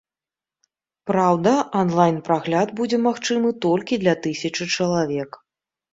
Праўда, ан-лайн прагляд будзе магчымы толькі для тысячы чалавек.